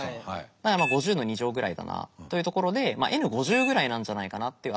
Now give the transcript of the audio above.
だからまあ５０の２乗ぐらいだなというところでｎ５０ぐらいなんじゃないかなっていう当たりがつくんですね。